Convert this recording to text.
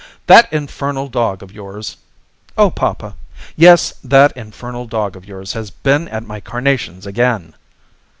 "That infernal dog of yours " "Oh, papa!" "Yes, that infernal dog of yours has been at my carnations again!"